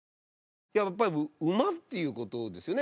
やっぱり馬っていうことですよね